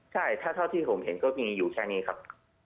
ใช่ถ้าเท่าที่ผมเห็นก็มีอยู่แค่นี้ครับ